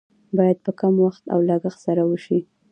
باید په کم وخت او لګښت سره وشي.